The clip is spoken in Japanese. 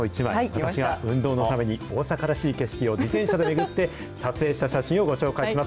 私が運動のために大阪らしい景色を自転車で巡って、撮影した写真をご紹介します。